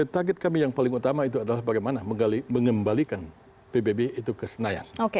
target kami yang paling utama itu adalah bagaimana mengembalikan pbb itu ke senayan